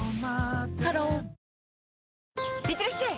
ハローいってらっしゃい！